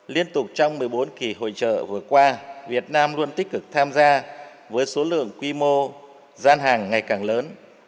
liên tục trong một mươi bốn kỳ hội trợ vừa qua việt nam luôn tích cực tham gia với số lượng quy mô gian hàng ngày càng lớn